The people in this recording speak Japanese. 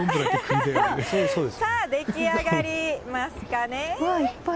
さあ、出来上がりますかね。